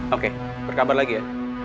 oke berkabar lagi ya